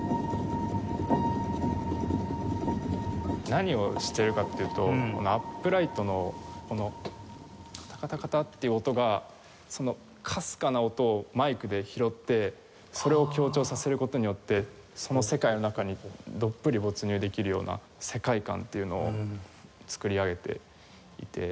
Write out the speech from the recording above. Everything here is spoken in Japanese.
何をしてるかっていうとアップライトのこのカタカタカタっていう音がそのかすかな音をマイクで拾ってそれを強調させる事によってその世界の中にどっぷり没入できるような世界観っていうのを作り上げていて。